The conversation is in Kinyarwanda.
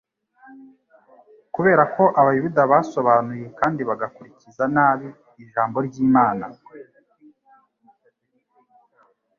Kubera ko abayuda basobanuye kandi bagakurikiza nabi Ijambo ry'Imana,